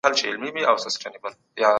د فرد نظریات د ټولنې د ځواب وړتیا لوړوي.